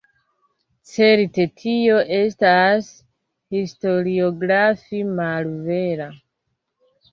Certe, tio estas historiografie malvera.